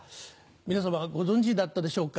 皆様ご存じだったでしょうか？